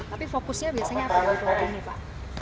tapi fokusnya biasanya apa di provinsi pak